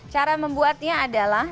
cara membuatnya adalah